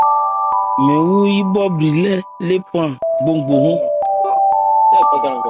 Mɛn wu yípɔ bhri lê lephan gbógbo ɔ́n.